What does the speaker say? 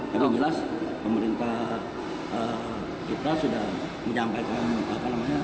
tapi yang jelas pemerintah kita sudah menyampaikan apa namanya